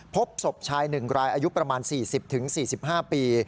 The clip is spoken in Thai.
พบศพชาย๑รายอายุประมาณ๔๐๔๕ปี